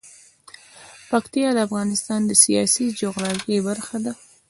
پکتیا د افغانستان د سیاسي جغرافیه برخه ده.